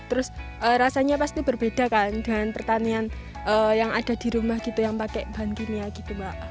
terus rasanya pasti berbeda kan dengan pertanian yang ada di rumah gitu yang pakai bahan kimia gitu mbak